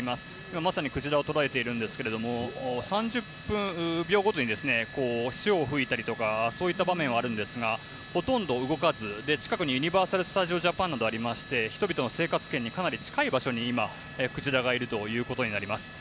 まさにクジラを捉えていますが３０秒ごとに潮を噴いたりとかそういう場面はあるんですがほとんど動かず、近くにユニバーサル・スタジオ・ジャパンなどありまして人々の生活圏にかなり近い場所にクジラがいるということです。